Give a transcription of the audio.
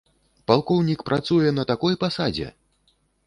Палкоўнік працуе на такой пасадзе!